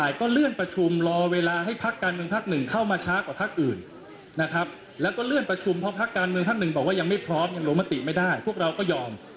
อย่างลงมะติไม่ได้พวกเราก็ยอม